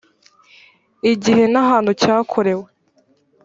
igihe n ahantu cyakorewe